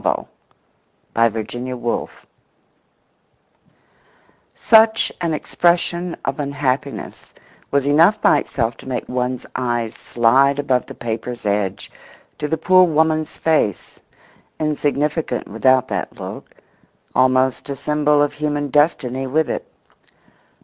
1921. An Unwritten Novel SUCH an expression of unhappiness was enough by itself to make one's eyes slide above the paper's edge to the poor woman's face—insignificant without that look, almost a symbol of human destiny with it.